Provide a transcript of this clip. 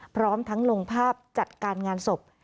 พร้อมทั้งลงภาพจัดการงานศพ